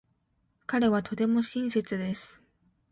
彼はとても親切です。